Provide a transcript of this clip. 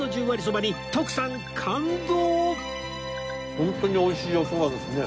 ホントに美味しいおそばですね。